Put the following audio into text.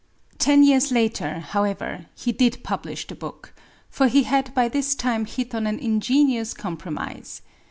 '" Ten years later, however, he did publish the book, for he had by this time hit on an ingenious compromise.